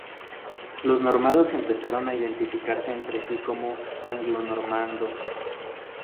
Los normandos empezaron a identificarse entre sí como "anglonormandos".